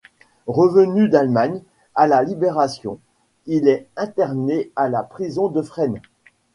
Revenu d'Allemagne à la Libération, il est interné à la prison de Fresnes.